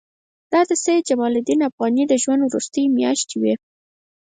دا د سید جمال الدین افغاني د ژوند وروستۍ میاشتې وې.